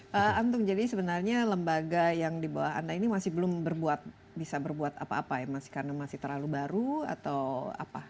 pak antung jadi sebenarnya lembaga yang di bawah anda ini masih belum bisa berbuat apa apa ya karena masih terlalu baru atau apa